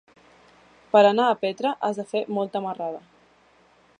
Per anar a Petra has de fer molta marrada.